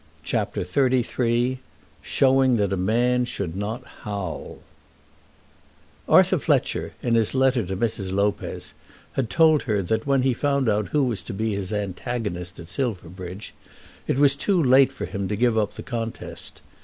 CHAPTER XXXIII Showing That a Man Should Not Howl Arthur Fletcher, in his letter to Mrs. Lopez, had told her that when he found out who was to be his antagonist at Silverbridge, it was too late for him to give up the contest.